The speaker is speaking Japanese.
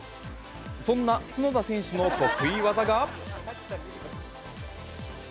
そんな角田選手の得意技が。